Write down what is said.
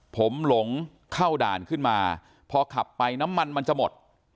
ผมหลงเข้าด่านขึ้นมาพอขับไปน้ำมันมันจะหมด